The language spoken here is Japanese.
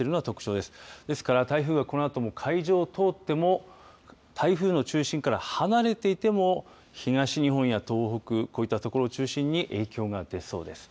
ですから台風は、このあとも海上を通っても台風の中心から離れていても東日本や東北こういった所中心に影響が出そうです。